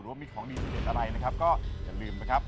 หรือว่ามีของดีเฉดอะไรนะครับก็อย่าลืมนะครับ